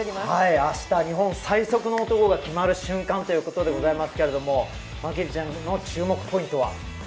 明日は日本最速の男が決まる瞬間ということですけれど、真備ちゃんの注目ポイントは？